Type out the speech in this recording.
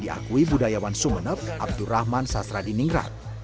diakui budayawan sumeneb abdurrahman sastradiningrat